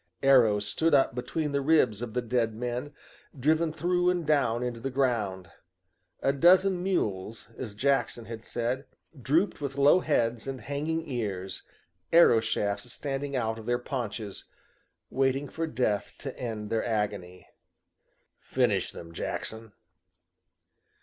Arrows stood up between the ribs of the dead men, driven through and down into the ground. A dozen mules, as Jackson had said, drooped with low heads and hanging ears, arrow shafts standing out of their paunches, waiting for death to end their agony. "Finish them, Jackson."